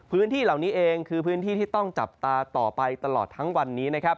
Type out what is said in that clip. พื้นที่เหล่านี้เองคือพื้นที่ที่ต้องจับตาต่อไปตลอดทั้งวันนี้นะครับ